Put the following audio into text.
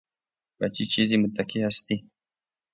به چه چیزی متکی هستی؟